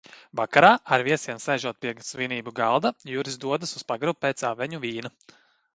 Vakarā, ar viesiem sēžot pie svinību galda, Juris dodas uz pagrabu pēc aveņu vīna.